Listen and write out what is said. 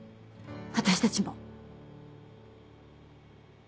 私たちも。